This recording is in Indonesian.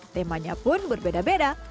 temanya pun berbeda beda